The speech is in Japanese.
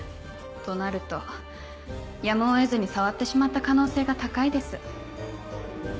となるとやむを得ずに触ってしまった可能性が高いです。